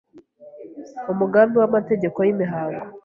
Umugambi w’amategeko y’imihango